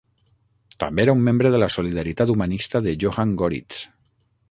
També era un membre de la solidaritat humanista de Johann Goritz.